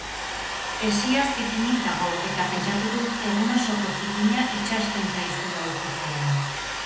Hesia zikinik dago eta pentsatu dut egun osoko zikina itsasten zaizula ukitzean.